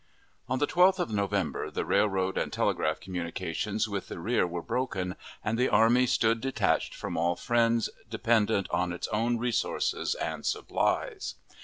On the 12th of November the railroad and telegraph communications with the rear were broken, and the army stood detached from all friends, dependent on its own resources and supplies.